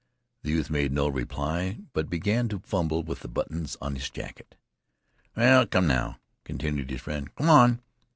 The youth made no reply, but began to fumble with the buttons of his jacket. "Well, come, now," continued his friend, "come on.